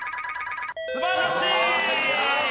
素晴らしい！